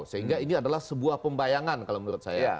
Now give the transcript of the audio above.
sehingga ini adalah sebuah pembayangan kalau menurut saya